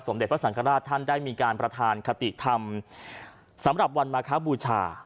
เด็จพระสังฆราชท่านได้มีการประธานคติธรรมสำหรับวันมาคบูชา